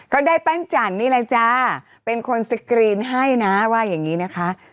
ก็ได้ปั้นจันนี่แหละจ้าเป็นคนสกรีนให้นะว่าอย่างนี้นะคะ